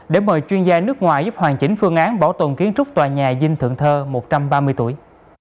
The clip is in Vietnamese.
để mời chuyên gia nước ngoài giúp hoàn chỉnh phương án bảo tồn kiến trúc tòa nhà dinh thượng thơ một trăm ba mươi tuổi